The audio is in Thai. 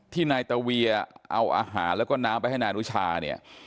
นายตะเวียเอาอาหารแล้วก็น้ำไปให้นายอนุชาเนี่ย